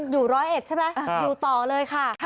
อยู่ร้อยเอ็ดใช่ไหมอยู่ต่อเลยค่ะ